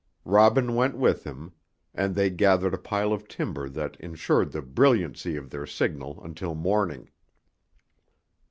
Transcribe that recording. Robin went with him, and they gathered a pile of timber that insured the brilliancy of their signal until morning.